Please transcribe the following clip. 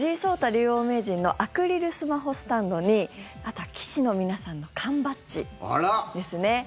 竜王・名人のアクリルスマホスタンドにあとは棋士の皆さんの缶バッジですね。